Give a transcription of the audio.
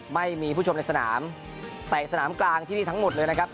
ไม่มีผู้ชมในสนามเตะสนามกลางที่นี่ทั้งหมดเลยนะครับ